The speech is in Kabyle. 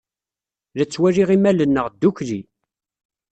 La ttwaliɣ imal-nneɣ ddukkli.